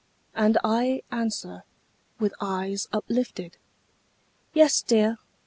And I answer, with eyes uplifted, "Yes, dear!